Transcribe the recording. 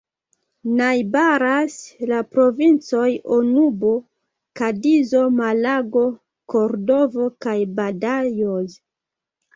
Najbaras la provincoj Onubo, Kadizo, Malago, Kordovo kaj Badajoz.